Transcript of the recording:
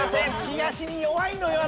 東に弱いのよ